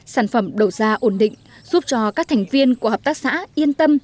sản phẩm đầu ra ổn định giúp cho các thành viên của hợp tác xã yên tâm